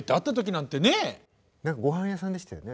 何かごはん屋さんでしたよね。